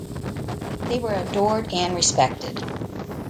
They were adored and respected.